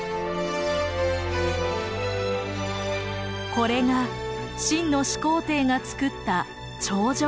これが秦の始皇帝がつくった長城です。